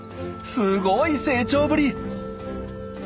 すごい成長ぶり！